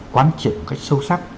quán triển một cách sâu sắc